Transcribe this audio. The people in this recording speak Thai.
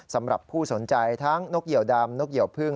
สำหรับผู้สนใจทั้งนกเหี่ยวดำนกเหี่ยวพึ่ง